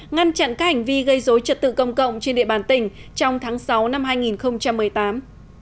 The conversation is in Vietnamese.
ngăn chặn các hành vi gây dối trật tự công cộng trên địa bàn tỉnh trong tháng sáu năm hai nghìn một mươi tám